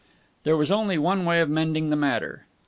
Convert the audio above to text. There was only one way of mending the matter.